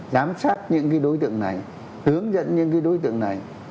giám sát những cái đối tượng này hướng dẫn những cái đối tượng này